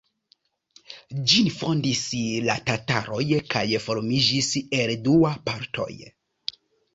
Ĝin fondis la tataroj kaj formiĝis el dua partoj.